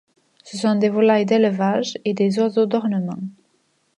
Ce sont des volailles d'élevage et des oiseaux d'ornement.